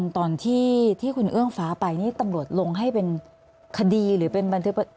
ตอนที่คุณเอื้องฟ้าไปนี่ตำรวจลงให้เป็นคดีหรือเป็นบันทึก